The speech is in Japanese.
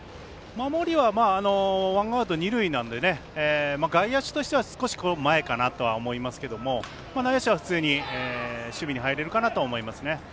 守りはワンアウト、二塁なので外野手としては前かなとは思いますけど内野手は普通に守備に入れるかなと思いますね。